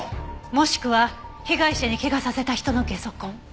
もしくは被害者に怪我させた人のゲソ痕。